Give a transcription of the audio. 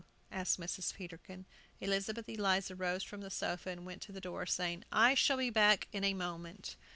asked Mrs. Peterkin. Elizabeth Eliza rose from the sofa and went to the door, saying, "I shall be back in a moment."